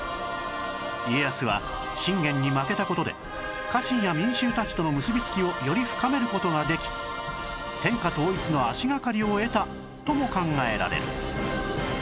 家康は信玄に負けた事で家臣や民衆たちとの結びつきをより深める事ができ天下統一の足掛かりを得たとも考えられる